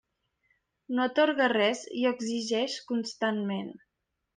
No atorga res i exigeix constantment.